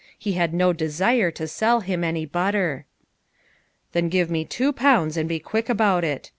He had no desire to sell him any butter. "Then give me two pounds, and be quick about it."